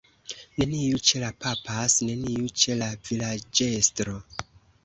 Neniu ĉe la _papas_, neniu ĉe la vilaĝestro.